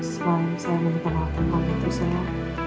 selama saya minta maaf tentang itu saya